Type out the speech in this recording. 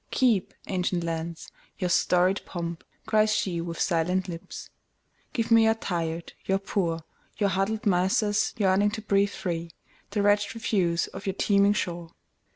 "Keep, ancient lands, your storied pomp!" cries sheWith silent lips. "Give me your tired, your poor, Your huddled masses yearning to breathe free, The wretched refuse of your teeming shore.